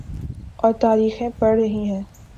اورتاریخیں پڑ رہی ہیں۔